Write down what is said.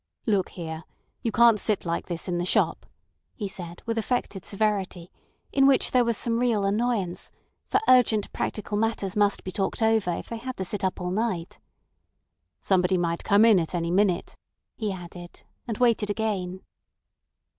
"Look here! You can't sit like this in the shop," he said with affected severity, in which there was some real annoyance; for urgent practical matters must be talked over if they had to sit up all night. "Somebody might come in at any minute," he added, and waited again.